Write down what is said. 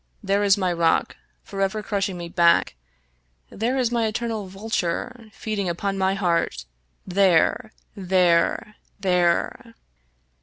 There is my rock, forever crushing me back ! there is my eternal vulture, feeding upon my heart ! There ! there I there